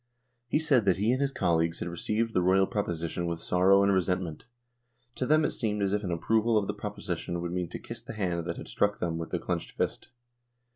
He said that he and his colleagues had received the Royal proposition with sorrow and resentment. To them it seemed as if an approval of the proposition would mean to kiss the hand that had struck them with the clenched fist.